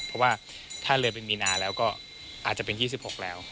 เพราะว่าถ้าเลยไปมีนาแล้วก็อาจจะเป็น๒๖แล้ว